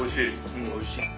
うんおいしい。